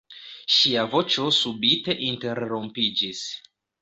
Ŝia voĉo subite interrompiĝis.